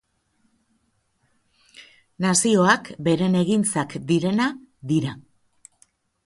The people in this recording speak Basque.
Nazioak beren egintzak direna dira....